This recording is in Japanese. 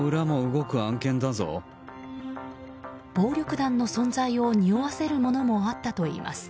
暴力団の存在をにおわせるものもあったといいます。